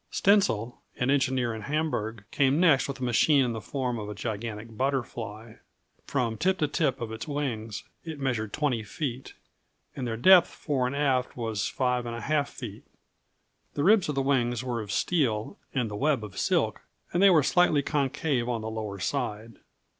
Stentzel, an engineer of Hamburg, came next with a machine in the form of a gigantic butterfly. From tip to tip of its wings it measured 20 feet, and their depth fore and aft was 5½ feet. The ribs of the wings were of steel and the web of silk, and they were slightly concave on the lower side.